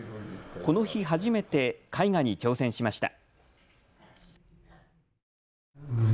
この日、初めて絵画に挑戦しました。